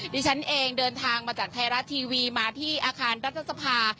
ดิฉันเองเดินทางมาจากไทยรัฐทีวีมาที่อาคารรัฐสภา